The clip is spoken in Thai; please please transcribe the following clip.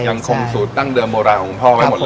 ยังคงถูกฝั่งดั่งเดิมโบราณของพ่อกว่าหมดเลย